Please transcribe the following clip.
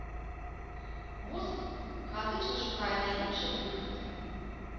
Мозг хаатычна шукае найлепшы выхад.